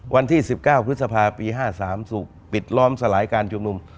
วันที่๑๙พฤษภาปี๕๓ถูกปิดล้อมสลายการชุมนุม